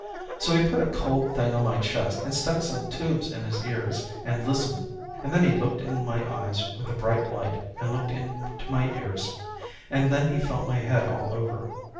So he put a cold thing on my chest and stuck some tubes in his ears and listened, and then he looked in my eyes with a bright light and looked into my ears, and then he felt my head all over.